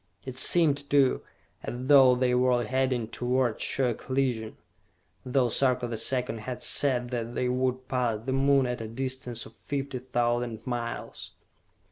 It seemed, too, as though they were heading toward sure collision, though Sarka the Second had said that they would pass the Moon at a distance of fifty thousand miles.